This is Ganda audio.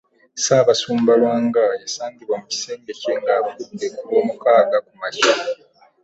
Ssaabasumba Lwanga yasangibwa mu kisenge kye ng’afudde ku Lwomukaaga kumakya